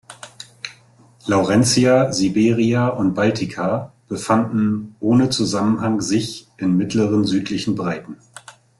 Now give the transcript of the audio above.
Laurentia, Siberia und Baltica befanden ohne Zusammenhang sich in mittleren südlichen Breiten.